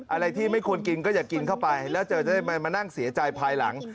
อะไรที่ไม่ควรกินก็อย่ากินเข้าไปแล้วเจอจะได้มานั่งเสียใจภายหลัง